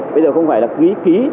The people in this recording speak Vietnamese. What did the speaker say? bây giờ không phải là ký